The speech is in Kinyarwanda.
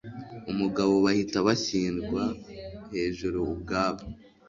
mubagabo bahita bashyirwa hejuru ubwabo